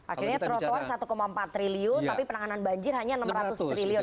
akhirnya trotoar satu empat triliun tapi penanganan banjir hanya enam ratus triliun